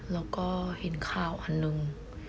แล้วก็เห็นข่าวอันหนึ่ง